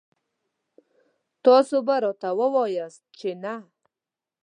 تاسو به راته وواياست چې نه.